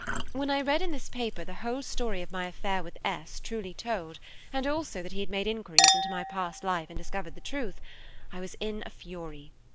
When I read in this paper the whole story of my affair with S., truly told, and also that he had made inquiries into my past life and discovered the truth, I was in a fury.